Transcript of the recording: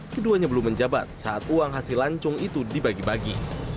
keduanya belum menjabat saat uang hasil lancung itu dibagi bagi